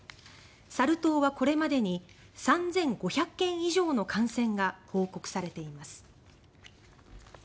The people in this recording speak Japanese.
サル痘はこれまでに３５００件以上の感染が報告されています。